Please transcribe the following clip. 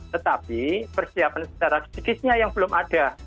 tetapi persiapan secara psikisnya yang belum ada